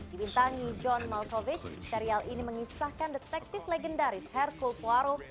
dibintangi john malcovid serial ini mengisahkan detektif legendaris hercules waro